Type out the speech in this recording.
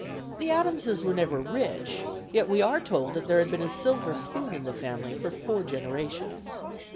The Adamses were never rich, yet we are told that there had been a silver spoon in the family for four generations.